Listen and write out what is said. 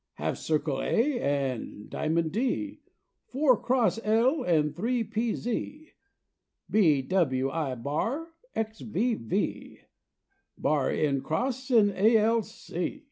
"Half circle A an' Diamond D, Four Cross L and Three P Z, B W I bar, X V V, Bar N cross an' A L C.